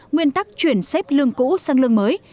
nguyên tắc chuyển xếp lương cũ sang lương mới